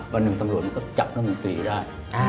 วันหนึ่งตำรวจก็จับรัฐมนตรีได้